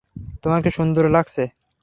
তোমাকে সুন্দরও লাগছে।